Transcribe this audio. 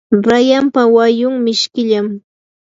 rayanpa wayun mishkillam.